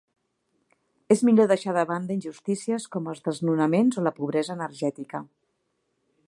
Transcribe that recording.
És millor deixar de banda injustícies com els desnonaments o la pobresa energètica.